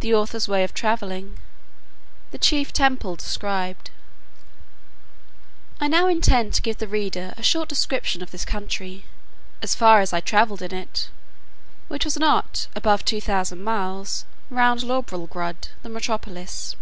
The author's way of travelling. The chief temple described. I now intend to give the reader a short description of this country, as far as I travelled in it, which was not above two thousand miles round Lorbrulgrud, the metropolis.